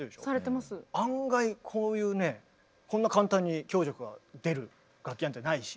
案外こういうねこんな簡単に強弱が出る楽器なんてないし。